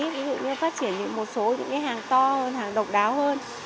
ví dụ như phát triển một số hàng to hơn hàng độc đáo hơn